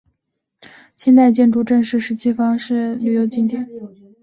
清代建筑郑氏十七房是澥浦镇最重要的旅游景点。